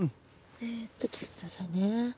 えっとちょっと待って下さいね。